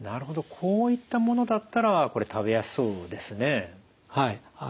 こういったものだったら食べやすそうですね。